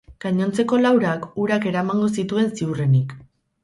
Gainontzeko laurak urak eramango zituen ziurrenik.